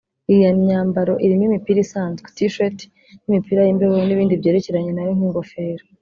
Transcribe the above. Iyi myambaro irimo imipira isanzwe (t-shirts) n’imipira y’imbeho n’ibindi byerekeranye nayo nk’ingofero